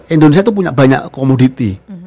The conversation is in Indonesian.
indonesia itu punya banyak komoditi